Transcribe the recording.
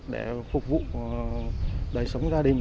để phục vụ đời sống gia đình